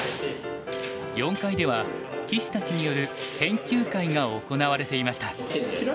４階では棋士たちによる研究会が行われていました。